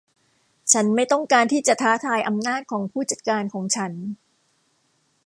ฉันไม่ต้องการที่จะท้าทายอำนาจของผู้จัดการของฉัน